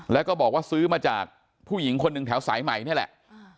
แล้วก็บอกว่าซื้อมาจากผู้หญิงคนหนึ่งแถวสายใหม่นี่แหละ